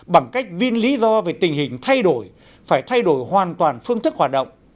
bằng cách viên lý do về tình hình thay đổi phải thay đổi hoàn toàn phương thức hoạt động